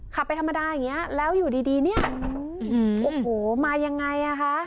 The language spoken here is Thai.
ขับไปธรรมดาอย่างนี้แล้วอยู่ดีเนี่ยโอ้โหมายังไงอ่ะคะ